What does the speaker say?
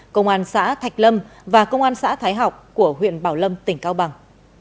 công an xã thạch lâm và công an xã thái học của huyện bảo lâm tỉnh cao bằng